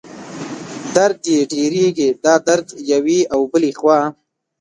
درد یې ډېرېږي، دا درد یوې او بلې خوا